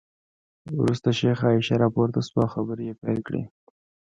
وروسته شیخه عایشه راپورته شوه او خبرې یې پیل کړې.